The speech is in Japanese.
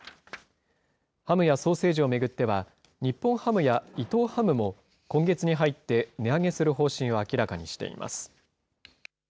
ハムやソーセージを巡っては、日本ハムや伊藤ハムも、今月に入って値上げする方針を明らかにしています。